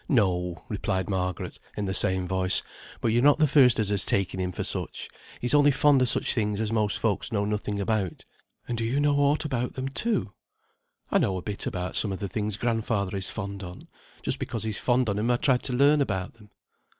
"No," replied Margaret, in the same voice; "but you're not the first as has taken him for such. He is only fond of such things as most folks know nothing about." "And do you know aught about them, too?" "I know a bit about some of the things grandfather is fond on; just because he's fond on 'em I tried to learn about them."